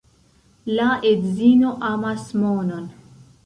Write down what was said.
La edzino amas monon.